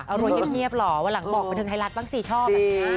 เอารวยเงียบเหรอวันหลังบอกมาถึงไทยรัฐบ้างสิชอบ